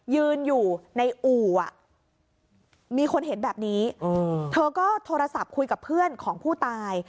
ยืนอยู่ในอู่อ่ะมีคนเห็นแบบนี้เธอก็โทรศัพท์คุยกับเพื่อนของผู้ตาย